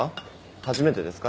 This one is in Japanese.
初めてですか？